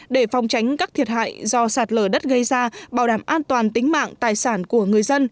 để phòng tránh các thiệt hại do sạt lở đất gây ra bảo đảm an toàn tính mạng tài sản của người dân